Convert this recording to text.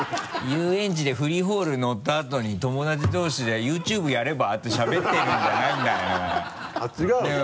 遊園地でフリーフォール乗ったあとに友達同士で「ＹｏｕＴｕｂｅやれば？」ってしゃべってるんじゃないんだからあっ違う？